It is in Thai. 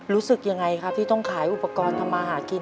รู้สึกยังไงครับที่ต้องขายอุปกรณ์ทำมาหากิน